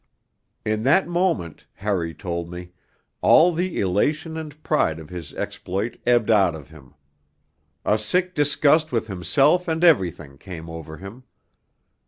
In that moment, Harry told me, all the elation and pride of his exploit ebbed out of him. A sick disgust with himself and everything came over him.